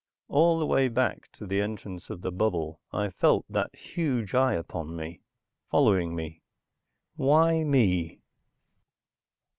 All the way back to the entrance of the bubble, I felt that huge eye upon me, following me. Why me?